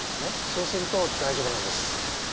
そうすると大丈夫なんです。